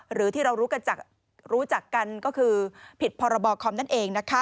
หรือที่เรารู้จักกันก็คือผิดพรบคอมนั่นเองนะคะ